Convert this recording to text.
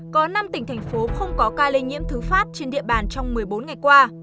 có năm tỉnh thành phố không có ca lây nhiễm thứ phát trên địa bàn trong một mươi bốn ngày qua